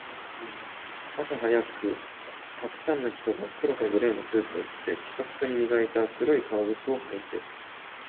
朝早く、沢山の人が黒かグレーのスーツを着て、ピカピカに磨いた黒い革靴を履いて